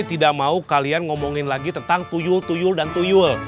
tidak mau kalian ngomongin lagi tentang puyul tuyul dan tuyul